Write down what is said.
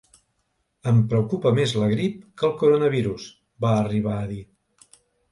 “Em preocupa més la grip que el coronavirus”, va arribar a dir.